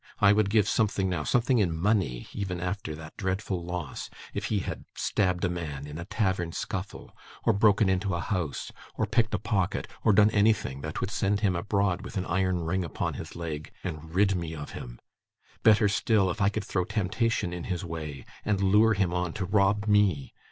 I would give something now something in money even after that dreadful loss if he had stabbed a man in a tavern scuffle, or broken into a house, or picked a pocket, or done anything that would send him abroad with an iron ring upon his leg, and rid me of him. Better still, if I could throw temptation in his way, and lure him on to rob me.